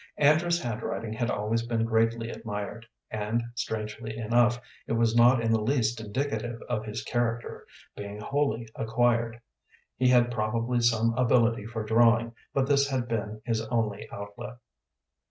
Andrew's handwriting had always been greatly admired, and, strangely enough, it was not in the least indicative of his character, being wholly acquired. He had probably some ability for drawing, but this had been his only outlet.